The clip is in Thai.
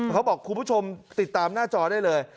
คุณผู้ชมติดตามหน้าจอได้เลย